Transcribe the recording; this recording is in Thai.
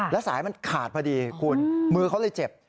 แล้วสายมันขาดพอดีคุณมือเขาเลยเจ็บ